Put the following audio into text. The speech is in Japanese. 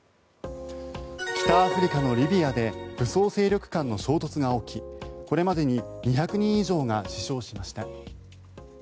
北アフリカのリビアで武装勢力間の衝突が起きこれまでに２００人以上が死傷しました。